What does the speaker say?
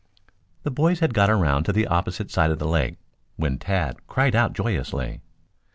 The boys had got around to the opposite side of the lake when Tad cried out joyously.